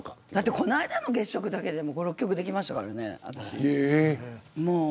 この間の月食だけでも５、６曲できましたから。